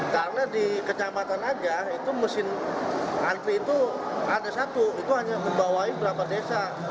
karena di kecamatan aja itu mesin antri itu ada satu itu hanya membawai berapa desa